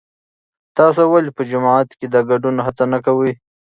تاسو ولې په جماعت کې د ګډون هڅه نه کوئ؟